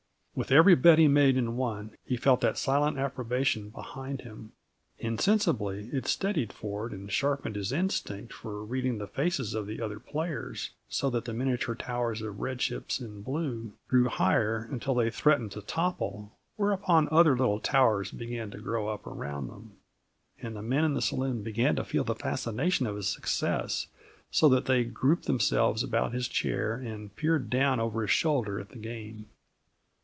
With every bet he made and won he felt that silent approbation behind him; insensibly it steadied Ford and sharpened his instinct for reading the faces of the other players, so that the miniature towers of red chips and blue grew higher until they threatened to topple whereupon other little towers began to grow up around them. And the men in the saloon began to feel the fascination of his success, so that they grouped themselves about his chair and peered down over his shoulder at the game.